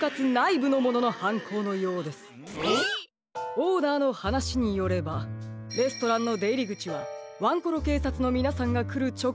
オーナーのはなしによればレストランのでいりぐちはワンコロけいさつのみなさんがくるちょ